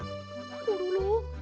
コロロ？